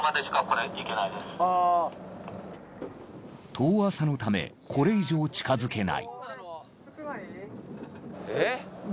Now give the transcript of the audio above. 遠浅のためこれ以上近づけない。